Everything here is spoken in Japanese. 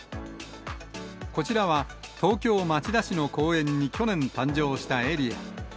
こちらは、東京・町田市の公園に去年誕生したエリア。